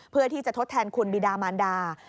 เพื่อที่จะทดแทนคุณบิดามานดา